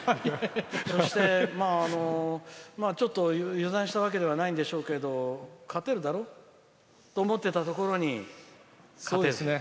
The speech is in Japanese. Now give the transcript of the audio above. そして、油断したわけではないんでしょうけど勝てるだろって思っていたところに。